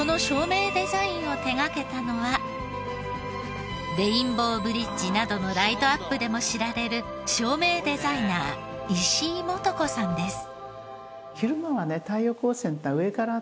そのレインボーブリッジなどのライトアップでも知られる照明デザイナー石井幹子さんです。